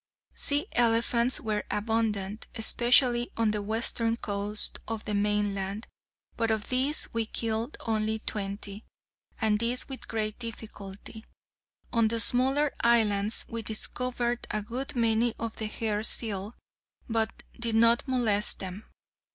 Sea elephants were abundant, especially on the western coast of the mainland, but of these we killed only twenty, and this with great difficulty. On the smaller islands we discovered a good many of the hair seal, but did not molest them.